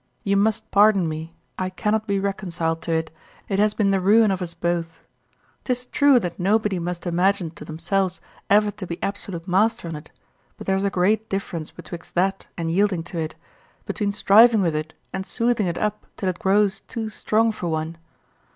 You must pardon me I cannot be reconciled to it, it has been the ruin of us both. 'Tis true that nobody must imagine to themselves ever to be absolute master on't, but there is great difference betwixt that and yielding to it, between striving with it and soothing it up till it grows too strong for one.